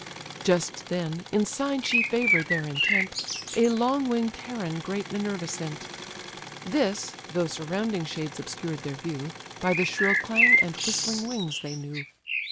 Just then, in sign she favour'd their intent, A long wing'd heron great Minerva sent: This, though surrounding shades obscured their view, By the shrill clang and whistling wings they knew.